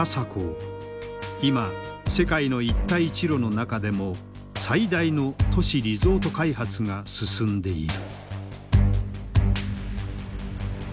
今世界の一帯一路の中でも最大の都市リゾート開発が進んでいる。